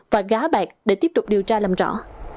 và gá bạc để tiếp tục điều tra làm rõ